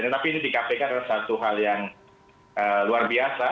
tetapi ini di kpk adalah satu hal yang luar biasa